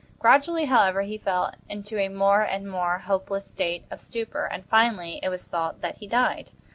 Gradually, however, he fell into a more and more hopeless state of stupor, and, finally, it was thought that he died.